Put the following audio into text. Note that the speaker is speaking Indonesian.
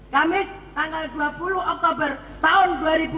kamis tanggal dua puluh oktober tahun dua ribu dua puluh dua